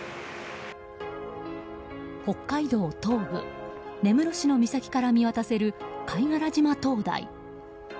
北海道東部、根室市の岬から見渡せる貝殻島灯台。